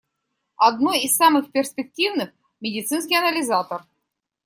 Одно из самых перспективных — медицинский анализатор.